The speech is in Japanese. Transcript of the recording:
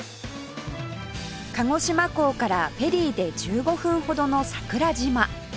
鹿児島港からフェリーで１５分ほどの桜島